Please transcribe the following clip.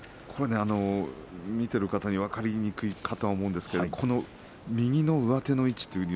見ている方に分かりにくいかと思うんですけれど右の上手の位置